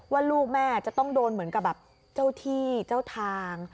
ว่าลูกแม่จะต้องโดนเหมือนกับแบบเจ้าที่เจ้าทาง